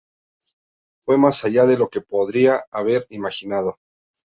Fue más allá de lo que podría haber imaginado.